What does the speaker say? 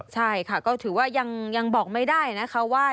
ใช่ค่ะก็ถือว่ายังบอกไม่ได้นะคะว่า